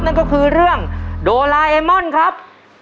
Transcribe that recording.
นั่นก็คือเรื่องโดลาเอมอนครับ